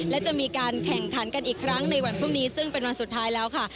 และจะมีการแข่งขันกันอีกครั้งในวันพรุ่งนี้ซึ่งเป็นวันสุดท้ายแล้วค่ะ